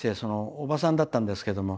おばさんだったんですけども。